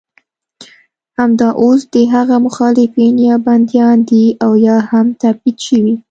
همدا اوس د هغه مخالفین یا بندیان دي او یا هم تبعید شوي.